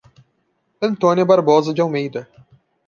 Antônia Barbosa de Almeida